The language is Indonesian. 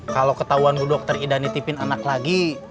kalau ketahuan bu dokter ida nitipin anak lagi